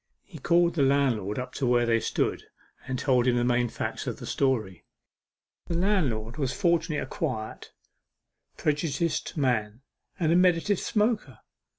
He called the landlord up to where they stood, and told him the main facts of the story. The landlord was fortunately a quiet, prejudiced man, and a meditative smoker.